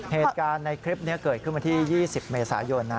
เหตุการณ์ในคลิปนี้เกิดขึ้นวันที่๒๐เมษายนนะ